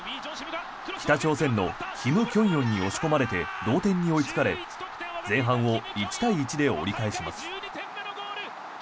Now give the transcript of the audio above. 北朝鮮のキム・キョンヨンに押し込まれて同点に追いつかれ前半を１対１で折り返します。